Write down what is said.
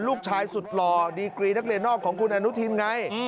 ลูกชายสุดหล่อดีกรีนักเรียนนอกของคุณอนุทินไง